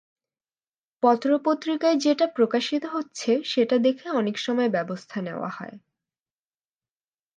পত্র-পত্রিকায় যেটা প্রকাশিত হচ্ছে সেটা দেখে অনেক সময় ব্যবস্থা নেওয়া হয়।